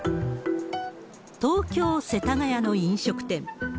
東京・世田谷の飲食店。